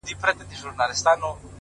• پاچا وغوښته نجلۍ واده تیار سو,